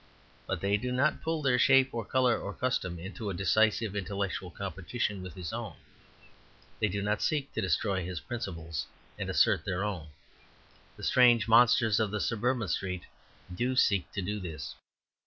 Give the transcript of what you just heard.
But they do not put their shape or colour or custom into a decisive intellectual competition with his own. They do not seek to destroy his principles and assert their own; the stranger monsters of the suburban street do seek to do this.